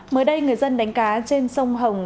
mới đây người dân đánh cá trên sông hồng